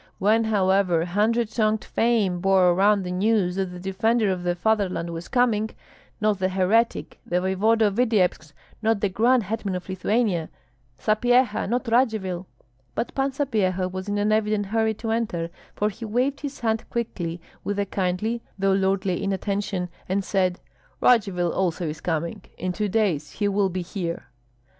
When however hundred tongued Fame bore around the news that the defender of the fatherland was coming, not the heretic, the voevoda of Vityebsk, not the grand hetman of Lithuania, Sapyeha, not Radzivill " But Pan Sapyeha was in an evident hurry to enter; for he waved his hand quickly, with a kindly though lordly inattention, and said, "Radzivill also is coming. In two days he will be here!"